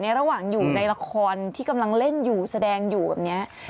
ระหว่างอยู่ในละครที่กำลังเล่นอยู่แสดงอยู่แบบนี้